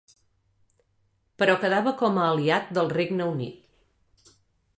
Però quedava com a aliat del Regne Unit.